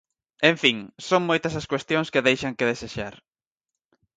En fin, son moitas as cuestións que deixan que desexar.